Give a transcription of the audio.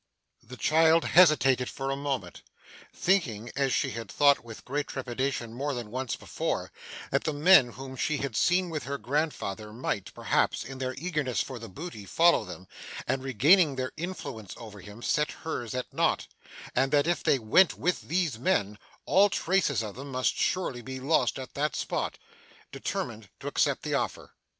The child hesitated for a moment. Thinking, as she had thought with great trepidation more than once before, that the men whom she had seen with her grandfather might, perhaps, in their eagerness for the booty, follow them, and regaining their influence over him, set hers at nought; and that if they went with these men, all traces of them must surely be lost at that spot; determined to accept the offer.